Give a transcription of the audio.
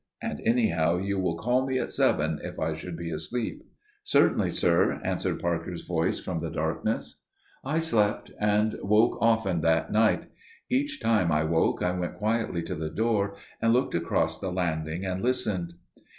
And anyhow you will call me at seven if I should be asleep." "Certainly, sir," answered Parker's voice from the darkness. I slept and woke often that night. Each time I woke I went quietly to the door and looked across the landing and listened.